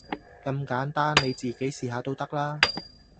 咁簡單，你自己試下都得啦